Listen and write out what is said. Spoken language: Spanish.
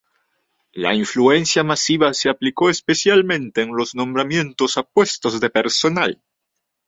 La influencia masiva se aplicó especialmente en los nombramientos a puestos de personal.